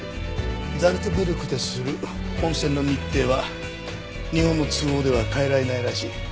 ザルツブルクでする本選の日程は日本の都合では変えられないらしい。